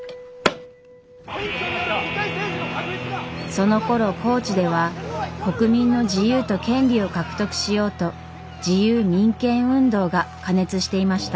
そのころ高知では国民の自由と権利を獲得しようと自由民権運動が過熱していました。